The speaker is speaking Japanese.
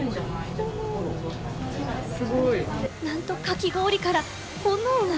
なんとかき氷から炎が。